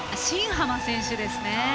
新濱選手ですね。